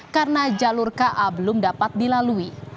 karena jalur ka belum dapat dilalui